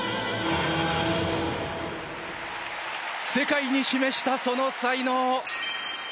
世界に示した、その才能。